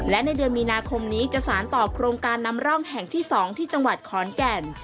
และในเดือนมีนาคมนี้จะสารต่อโครงการนำร่องแห่งที่๒ที่จังหวัดขอนแก่น